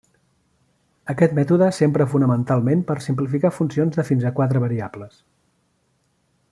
Aquest mètode s'empra fonamentalment per simplificar funcions de fins a quatre variables.